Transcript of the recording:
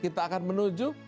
kita akan menuju